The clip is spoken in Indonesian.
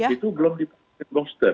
itu belum dipakai poster